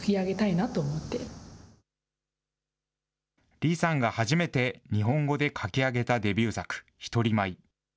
李さんが初めて日本語で書き上げたデビュー作、独り舞。